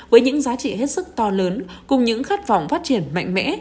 với những giá trị hết sức to lớn cùng những khát vọng phát triển mạnh mẽ